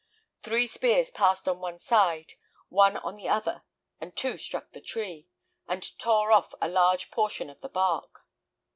Three spears passed on one side, one on the other, and two struck the tree, and tore off a large portion of the bark.